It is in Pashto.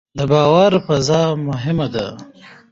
د باور فضا مهمه ده